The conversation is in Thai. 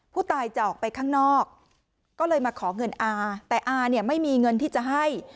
ผู้ตายจะออกไปข้างนอกก็เลยมาขอเงินอาแต่อาเนี่ยไม่มีเงินที่จะให้